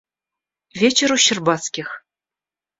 Вечер у Щербацких.